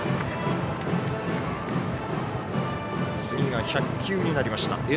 次が１００球になりました。